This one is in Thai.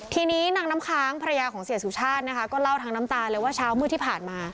ทีนี้นางน้ำค้างภรรยาของเสียสุชาตินะคะก็เล่าทั้งน้ำตาเลยว่าเช้ามืดที่ผ่านมา